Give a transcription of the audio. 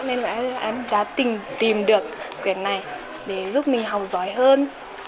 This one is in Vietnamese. nên là em đã tìm được quyền này để giúp mình học giỏi hơn